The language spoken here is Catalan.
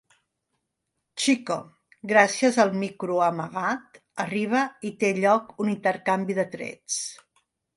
Chico, gràcies al micro amagat, arriba i té lloc un intercanvi de trets.